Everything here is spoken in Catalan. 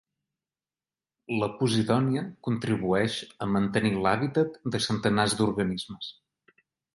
La posidònia contribueix a mantenir l'hàbitat de centenars d'organismes.